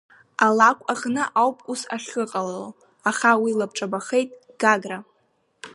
Алакә аҟны ауп ус ахьыҟалало, аха уи лабҿабахеит Гагра.